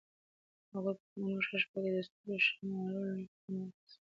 هغوی په خاموشه شپه کې د ستورو شمارلو خوند واخیست.